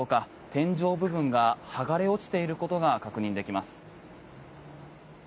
天井部分が剥がれ落ちていることが確認できます。